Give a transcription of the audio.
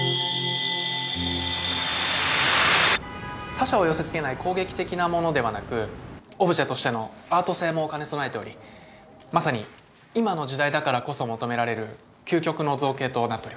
他者を寄せ付けない攻撃的なものではなくオブジェとしてのアート性も兼ね備えておりまさに今の時代だからこそ求められる究極の造形となっております。